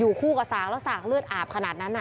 อยู่คู่กับสังแล้วส่ากเลือดอาบขนาดนั้นอะ